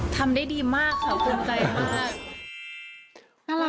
ทำได้ดีมากค่ะภูมิใจมาก